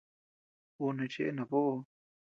Ú neʼe cheʼe naboʼoo.